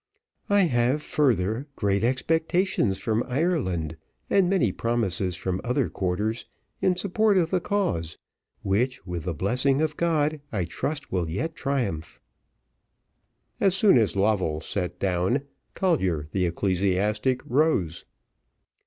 I have, further, great expectations from Ireland, and many promises from other quarters, in support of the cause which, with the blessing of God, I trust will yet triumph," As soon as Lovell sat down, Collier, the ecclesiastic, rose.